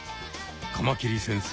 カマキリ先生